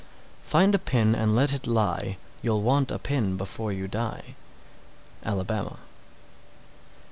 Find a pin and let it lie, You'll want a pin before you die. _Alabama.